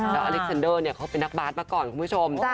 แล้วอเล็กซันเดอร์เขาเป็นนักบาสมาก่อนคุณผู้ชม